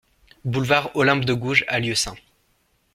Boulevard Olympe de Gouges à Lieusaint